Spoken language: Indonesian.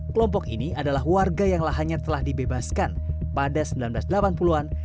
kelompok ini adalah warga yang lahannya telah dibebaskan pada seribu sembilan ratus delapan puluh an